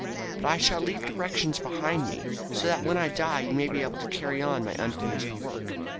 But I shall leave directions behind me so that when I die you may be able to carry on my unfinished work.